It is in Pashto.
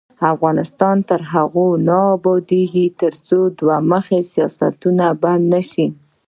افغانستان تر هغو نه ابادیږي، ترڅو دوه مخي سیاستونه بند نشي.